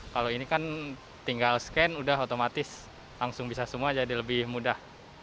kalau ini kan tinggal scan udah otomatis langsung bisa semua jadi lebih mudah